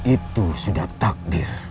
itu sudah takdir